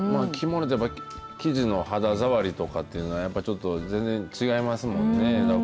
着物ってやっぱ、生地の肌触りとかっていうのは、やっぱりちょっと全然違いますもんね。